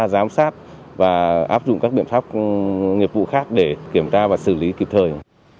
giám sát và áp dụng các biện pháp nghiệp vụ khác để kiểm tra và xử lý kịp thời